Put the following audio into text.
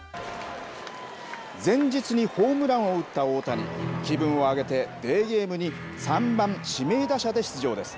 前日にホームランを打った大谷気分を上げてデーゲームに３番、指名打者で出場です。